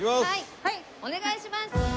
はいお願いします。